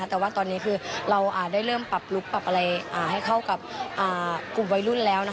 แต่ว่าตอนนี้คือเราได้เริ่มปรับลุคปรับอะไรให้เข้ากับกลุ่มวัยรุ่นแล้ว